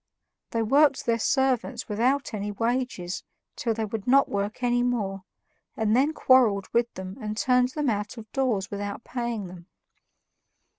They worked their servants without any wages till they would not work any more, and then quarreled with them and turned them out of doors without paying them.